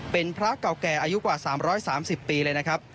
เป็นพระเก่าแก่อายุกว่า๓๓๐ปีเลยนะครับ